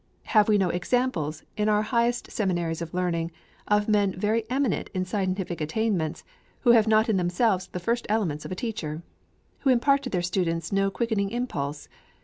Have we no examples, in our highest seminaries of learning, of men very eminent in scientific attainments, who have not in themselves the first elements of a teacher? who impart to their students no quickening impulse?